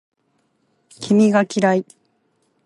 君が嫌い